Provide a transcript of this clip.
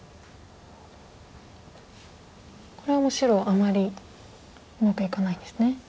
これも白あまりうまくいかないんですね。